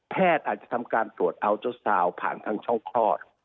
แพทย์อาจจะทำการตรวจอัลโตซาลผ่านทางช่องพรอด